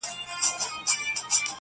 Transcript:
صرف و نحو دي ویلي که نه دي!.